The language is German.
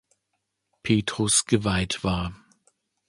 Petrus geweiht war.